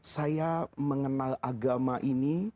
saya mengenal agama ini